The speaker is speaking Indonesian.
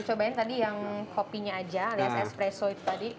cobain tadi yang kopinya aja alias espresso itu tadi